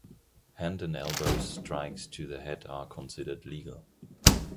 Hand and elbows strikes to the head are considered legal.